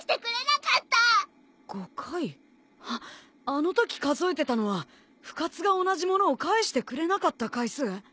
あのとき数えてたのは深津が同じものを返してくれなかった回数？